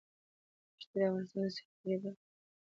دښتې د افغانستان د سیلګرۍ برخه ده.